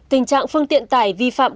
tình trạng phương tiện tải vi phạm